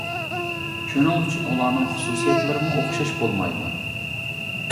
شۇنىڭ ئۈچۈن ئۇلارنىڭ خۇسۇسىيەتلىرىمۇ ئوخشاش بولمايدۇ.